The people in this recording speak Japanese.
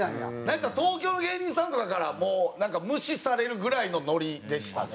なんか東京の芸人さんとかからもう無視されるぐらいのノリでしたね。